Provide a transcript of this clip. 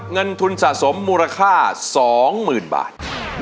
เงินทุนสะสมมูลค่า๒๐๐๐บาท